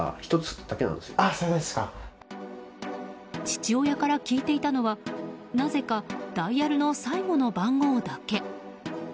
父親から聞いていたのはなぜかダイヤルの最後の番号だけ。